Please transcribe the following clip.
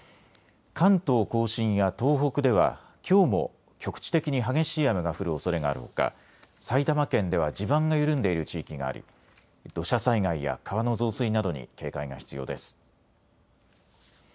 関東甲信や東北ではきょうも局地的に激しい雨が降るおそれがあるほか埼玉県では地盤が緩んでいる地域があり土砂災害や川の増水などに警戒が必要です。